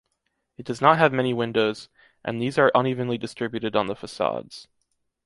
It does not have many windows, and these are unevenly distributed on the façades.